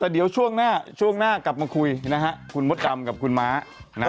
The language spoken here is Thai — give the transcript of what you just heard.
แต่เดี๋ยวช่วงหน้ากลับมาคุยนะฮะคุณหมดกลำกับคุณม้านะฮะ